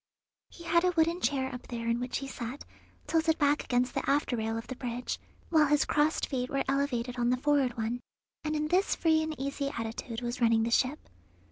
He had a wooden chair up there in which he sat, tilted back against the after rail of the bridge, while his crossed feet were elevated on the forward one, and in this free and easy attitude was running the ship.